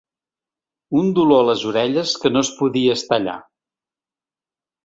Un dolor a les orelles que no es podia estar allà.